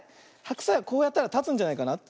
ハクサイはこうやったらたつんじゃないかな。